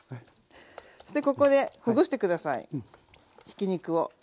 そしてここでほぐして下さいひき肉を。